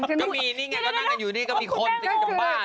ก็มีนี่ไงก็นั่งกันอยู่นี่ก็มีคนสิงจะบ้า